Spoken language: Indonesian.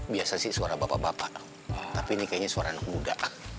biasa sih suara bapak bapak tapi ini kayaknya suara anak muda